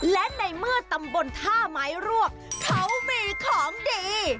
และในเมื่อตำบลท่าไม้รวกเขามีของดี